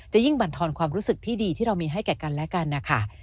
ยิ่งบรรทอนความรู้สึกที่ดีที่เรามีให้แก่กันและกันนะคะ